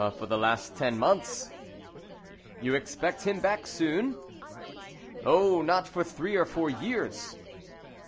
"For the last ten months." "You expect him back soon?" "Oh, not for three or four years."